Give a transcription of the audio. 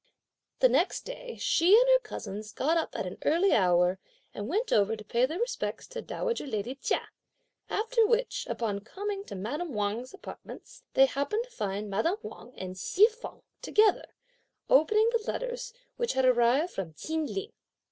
The next day, (she and her cousins) got up at an early hour and went over to pay their respects to dowager lady Chia, after which upon coming to madame Wang's apartments, they happened to find madame Wang and Hsi feng together, opening the letters which had arrived from Chin Ling.